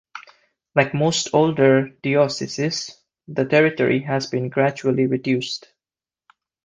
Like most older dioceses, the territory has been gradually reduced.